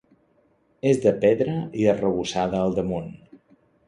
És de pedra i arrebossada al damunt.